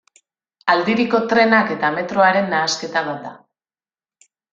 Aldiriko trenak eta metroaren nahasketa bat da.